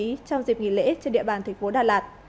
trong dịp nghỉ lễ trên địa bàn thành phố đà lạt